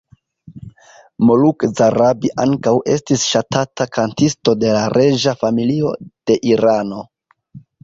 Moluk Zarabi ankaŭ estis ŝatata kantisto de la reĝa familio de Irano.